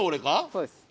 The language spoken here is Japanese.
そうです。